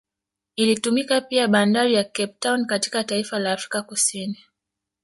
Ilitumika pia Bnadari ya Cape Town katika taifa la Afrika Kusini